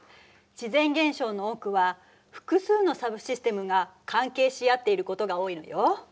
自然現象の多くは複数のサブシステムが関係し合っていることが多いのよ。